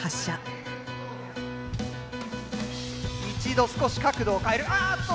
一度少し角度を変えるあっと！